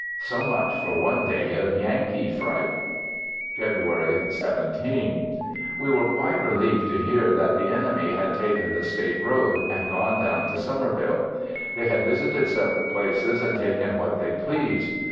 So much for one day of Yankee fright! Febr'y. 17. We were quite relieved to hear that the enemy had taken the State Road, and gone down to Summerville. They had visited several places and taken what they pleased.